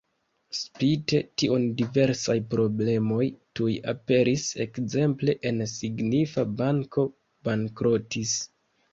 Spite tion diversaj problemoj tuj aperis, ekzemple en signifa banko bankrotis.